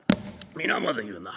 皆まで言うな。